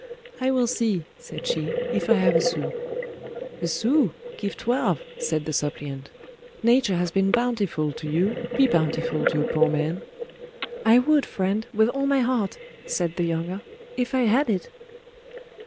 " I will see," said she, " if I have a sous." " A sous ! Give twelve," said the suppliant. " Nature has been bountiful to you ; be bountiful to a poor man." " I would, friend, with all my heart," said the younger, " if I had it."